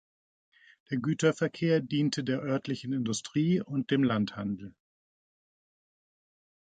Der Güterverkehr diente der örtlichen Industrie und dem Landhandel.